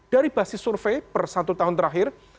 dari basis survei per satu tahun terakhir